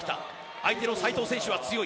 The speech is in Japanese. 相手の斎藤選手は強い。